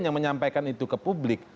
yang menyampaikan itu ke publik